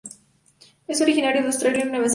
Es originario de Australia y Nueva Zelanda.